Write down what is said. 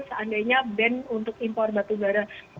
seandainya ban untuk impor batubara